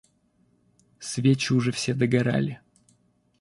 Свечи уже все догорали.